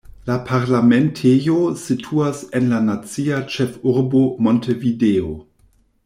La parlamentejo situas en la nacia ĉefurbo Montevideo.